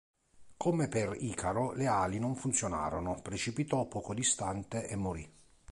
Come per Icaro, le ali non funzionarono, precipitò poco distante e morì.